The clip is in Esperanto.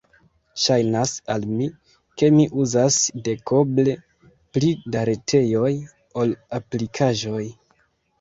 Ŝajnas al mi, ke mi uzas dekoble pli da retejoj ol aplikaĵoj.